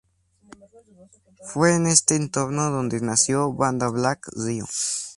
Fue en este entorno donde nació Banda Black Rio.